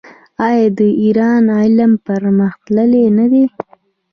آیا د ایران علم پرمختللی نه دی؟